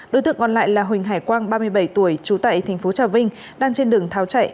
đối tượng còn lại là huỳnh hải quang ba mươi bảy tuổi trú tại tp trà vinh đang trên đường tháo chạy